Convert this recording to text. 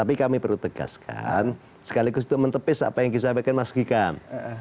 tapi kami perlu tegaskan sekaligus itu mentepis apa yang disampaikan mas hikam